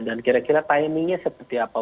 dan kira kira timing nya seperti apa